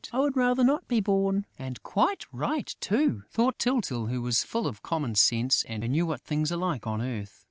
"I would rather not be born." "And quite right too!" thought Tyltyl, who was full of common sense and who knew what things are like on earth.